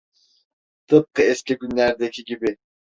Tıpkı eski günlerdeki gibi.